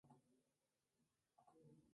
Nació de padres mexicano-estadounidenses.